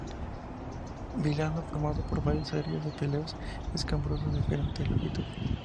Vilano formado por varias series de pelos escabrosos de diferente longitud.